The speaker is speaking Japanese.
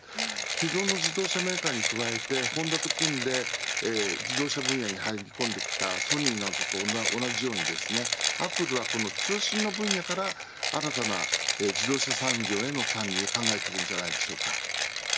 既存の自動車メーカーに加えてホンダと組んで自動車分野に入り込んできたソニーなどと同じようにアップルは通信の分野から新たな自動車産業への参入を考えていると思います。